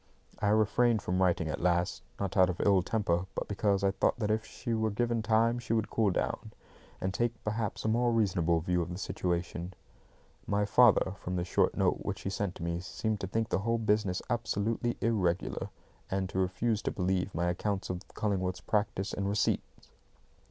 I refrained from writing at last, not out of ill temper, but because I thought that if she were given time she would cool down, and take, perhaps, a more reasonable view of the situation. My father, from the short note which he sent me, seemed to think the whole business absolutely irregular, and to refuse to believe my accounts of Cullingworth's practice and receipts.